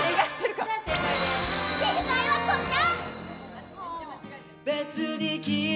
正解はこちら。